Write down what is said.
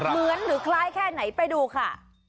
เหมือนหรือคล้ายแค่ไหนไปดูค่ะ